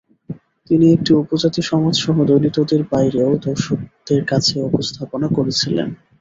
তিনি এটি উপজাতি সমাজ সহ দলিতদের বাইরেও দর্শকদের কাছে উপস্থাপন করেছিলেন।